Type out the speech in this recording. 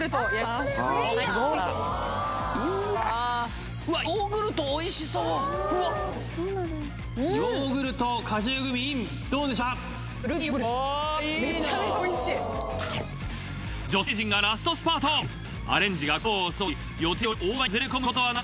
すごいな！